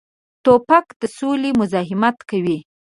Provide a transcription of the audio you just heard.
توپک د سولې مزاحمت کوي.